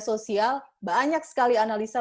sosial banyak sekali analisa